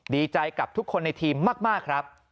ดีใจกับทุกคนในทีมมากครับ